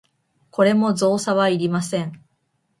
これも造作はいりません。